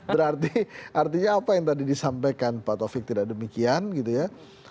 berarti artinya apa yang tadi disampaikan pak taufik tidak demikian gitu ya